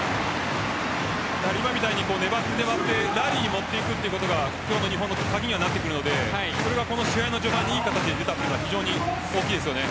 今みたいに、粘って粘ってラリーに持っていくことが今日の日本の鍵になってくるのでそれが、この試合の序盤でいい形で出たのは非常に大きいですよね。